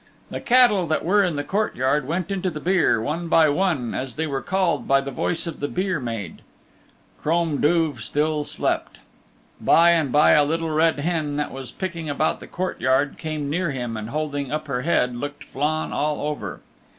The cattle that were in the courtyard went into the byre one by one as they were called by the voice of the byre maid. Crom Duv still slept. By and by a little red hen that was picking about the courtyard came near him and holding up her head looked Flann all over.